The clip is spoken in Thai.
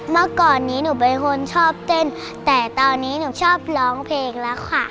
เมื่อก่อนนี้หนูเป็นคนชอบเต้นแต่ตอนนี้หนูชอบร้องเพลงแล้วค่ะ